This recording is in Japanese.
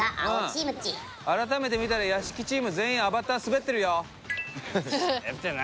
改めて見たら屋敷チーム全員アバタースベってるよ。